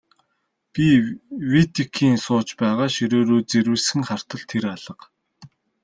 Би Витекийн сууж байгаа ширээ рүү зэрвэсхэн хартал тэр алга.